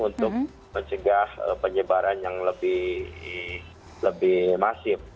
untuk mencegah penyebaran yang lebih masif